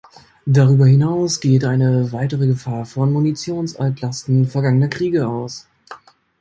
Darüber hinaus geht eine weitere Gefahr von Munitionsaltlasten vergangener Kriege aus.